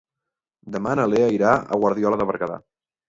Demà na Lea irà a Guardiola de Berguedà.